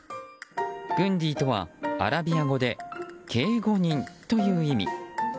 グンディとは、アラビア語で警護人という意味。